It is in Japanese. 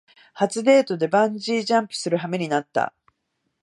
初デートでバンジージャンプするはめになった